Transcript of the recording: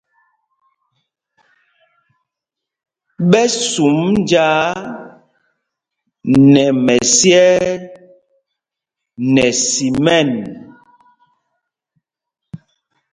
Ɓɛ sum njāā nɛ mɛsyɛɛ nɛ simɛn.